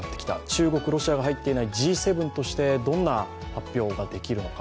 中国・ロシアが入っていないＧ７としてどんな発表ができるのか。